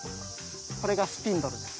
これがスピンドルです。